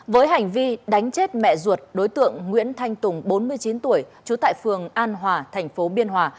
với hành vi đánh chết mẹ ruột đối tượng nguyễn thanh tùng bốn mươi chín tuổi chú tại phường an hòa tp biên hòa